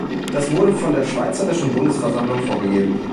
Das wurde von der Schweizerischen Bundesversammlung vorgegeben.